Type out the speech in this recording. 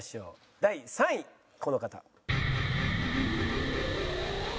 第３位この方。